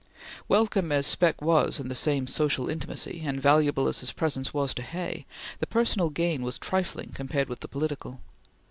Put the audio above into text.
Welcome as Speck was in the same social intimacy, and valuable as his presence was to Hay, the personal gain was trifling compared with the political.